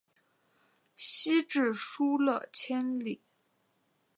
西至疏勒千里。